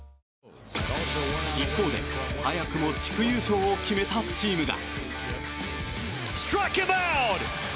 一方で、早くも地区優勝を決めたチームが。